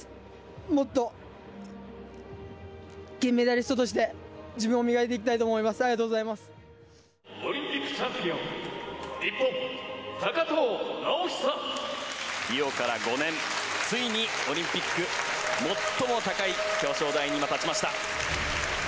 もっと金メダリストとして自分を磨いていきたいと思います、オリンピックチャンピオン、リオから５年、ついにオリンピック、最も高い表彰台に今、立ちました。